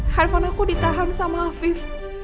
handphone aku ditahan sama afif